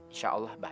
insya allah mbah